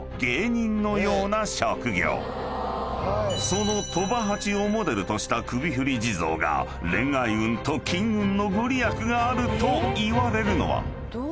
［その鳥羽八をモデルとした首振地蔵が恋愛運と金運のご利益があるといわれるのは］